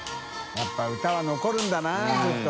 やっぱ歌は残るんだなずっと。